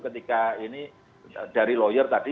ketika ini dari lawyer tadi